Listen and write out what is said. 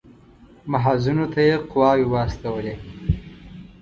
محاذونو ته یې قواوې واستولې.